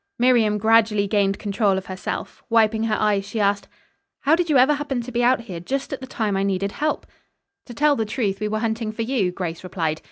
Miriam gradually gained control of herself. Wiping her eyes, she asked, "How did you ever happen to be out here just at the time I needed help?" "To tell the truth, we were hunting for you," Grace replied.